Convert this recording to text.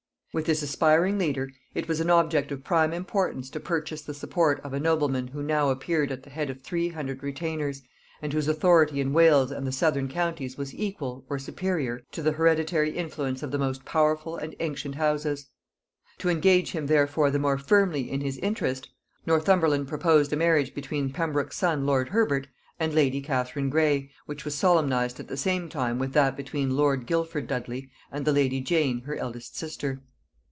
With this aspiring leader it was an object of prime importance to purchase the support of a nobleman who now appeared at the head of three hundred retainers, and whose authority in Wales and the southern counties was equal, or superior, to the hereditary influence of the most powerful and ancient houses. To engage him therefore the more firmly in his interest, Northumberland proposed a marriage between Pembroke's son lord Herbert and lady Catherine Grey, which was solemnized at the same time with that between lord Guildford Dudley and the lady Jane her eldest sister.